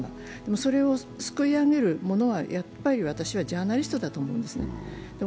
それをすくいあげるものは、私はジャーナリストだと思うんですね。